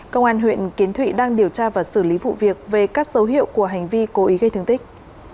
công an huyện kiến thụy đang điều tra và xử lý vụ việc về các dấu hiệu của hành vi cố ý gây thương tích